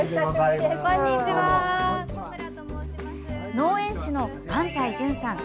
農園主の安西淳さん。